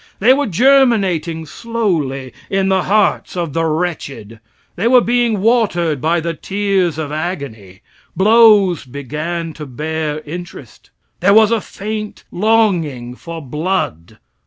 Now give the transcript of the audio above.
They were germinating slowly in the hearts of the wretched; they were being watered by the tears of agony; blows began to bear interest. There was a faint longing for blood.